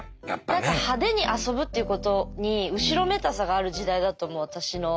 何か派手に遊ぶっていうことに後ろめたさがある時代だと思う私の世代は。